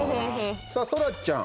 さあ、そらちゃん。